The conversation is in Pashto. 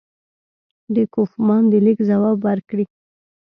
د کوفمان د لیک ځواب ورکړي.